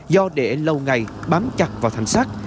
do đệ lâu ngày bám chặt vào thanh sắt